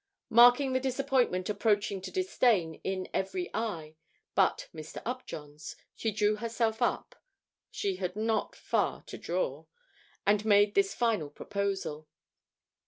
Marking the disappointment approaching to disdain in every eye but Mr. Upjohn's, she drew herself up (she had not far to draw) and made this final proposal.